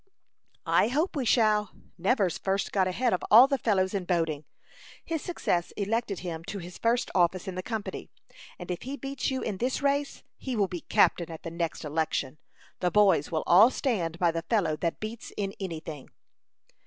"I hope we shall. Nevers first got ahead of all the fellows in boating. His success elected him to his first office in the company, and if he beats you in this race, he will be captain at the next election. The boys will all stand by the fellow that beats in any thing."